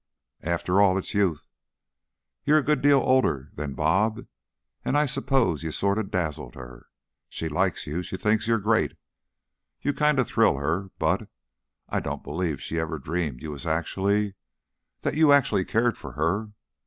"After all, it's youth. You're a good deal older than 'Bob,' and I s'pose you sort of dazzled her. She likes you. She thinks you're great. You kinda thrill her, but I don't believe she ever dreamed you was actually that you actually cared for her.